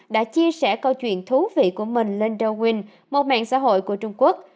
đã chia sẻ câu chuyện thú vị của mình lên darwin một mạng xã hội của trung quốc